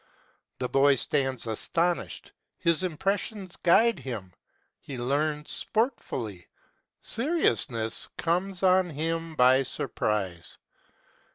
The boy stands astonished, his impressions guide him : he learns sport fully, seriousness comes on him by surprise.